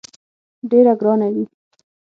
ډېره ګرانه وي.